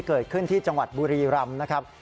เกิดขึ้นที่จังหวัดบุรีรำนะครับ